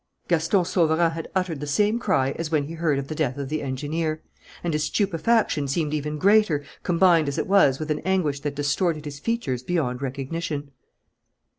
Gaston Sauverand had uttered the same cry as when he heard of the death of the engineer; and his stupefaction seemed even greater, combined as it was with an anguish that distorted his features beyond recognition.